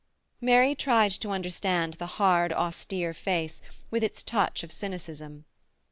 Mary tried to understand the hard, austere face, with its touch of cynicism.